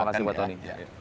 terima kasih pak tony